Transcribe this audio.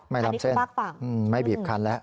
ลำเส้นไม่บีบคันแล้ว